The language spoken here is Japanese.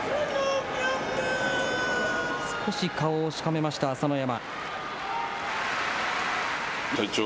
少し顔をしかめました朝乃山。